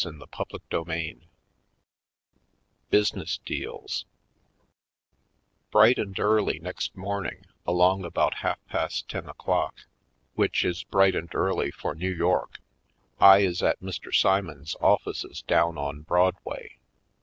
Poindexter, Colored CHAPTER XII Business Deals BRIGHT and early next morning, along about half past ten o'clock, which is bright and early for New York, I is at Mr. Simons' offices down on Broadway.